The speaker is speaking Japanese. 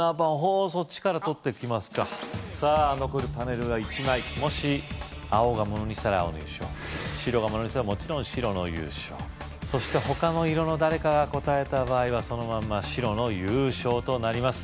そっちから取ってきますかさぁ残るパネルは１枚もし青がものにしたら青の優勝白がものにしたらもちろん白の優勝そしてほかの色の誰かが答えた場合はそのまんま白の優勝となります